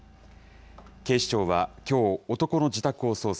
警視庁は、きょう、男の自宅を捜索。